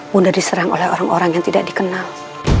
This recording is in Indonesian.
bunda diserang oleh orang orang yang tidak dikenal